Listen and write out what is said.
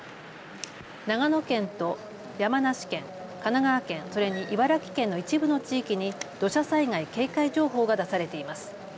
長野県と山梨県、神奈川県、それに茨城県の一部の地域に土砂災害警戒情報が出されています。